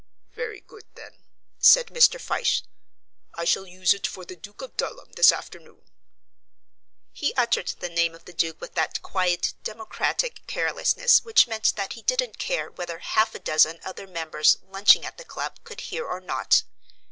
"Very good then," said Mr. Fyshe, "I shall use it for the Duke of Dulham this afternoon." He uttered the name of the Duke with that quiet, democratic carelessness which meant that he didn't care whether half a dozen other members lunching at the club could hear or not.